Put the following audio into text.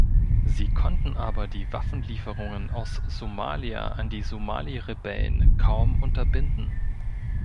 Sie konnten aber die Waffenlieferungen aus Somalia an die Somali-Rebellen kaum unterbinden.